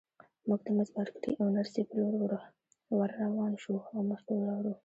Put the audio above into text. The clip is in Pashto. موږ د مس بارکلي او نرسې په لور ورروان شوو او مخکې ولاړو.